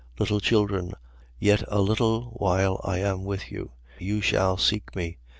13:33. Little children, yet a little while I am with you. You shall seek me.